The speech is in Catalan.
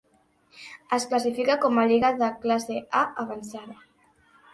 Es classifica com a lliga de classe A avançada.